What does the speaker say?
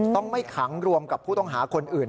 ต้องไม่ขังรวมกับผู้ต้องหาคนอื่น